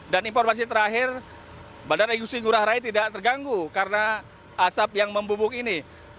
dan informasi terakhir bandara yusi ngurah rai tidak terganggu karena asap yang membumbuk ini